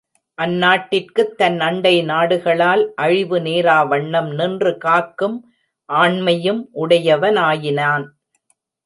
அந்நாட்டிற்குத் தன் அண்டை நாடுகளால் அழிவு நேராவண்ணம் நின்று காக்கும் ஆண்மையும் உடையவனாயினான்.